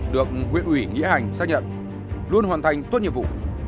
được huyện ủy nghĩa hành xác nhận luôn hoàn thành tốt nhiệm vụ